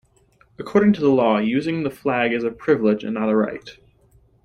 According to the law, using the flag is a privilege and not a right.